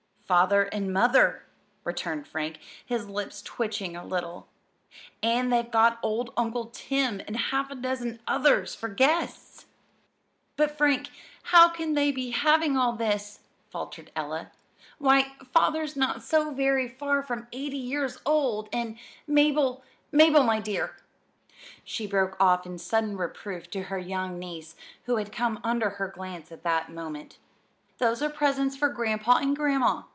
"Father and Mother," returned Frank, his lips twitching a little. "And they've got old Uncle Tim and half a dozen others for guests." "But, Frank, how can they be having all this?" faltered Ella. "Why, Father's not so very far from eighty years old, and Mabel, Mabel, my dear!" she broke off in sudden reproof to her young niece, who had come under her glance at that moment. "Those are presents for Grandpa and Grandma.